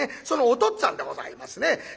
そのおとっつぁんでございますね。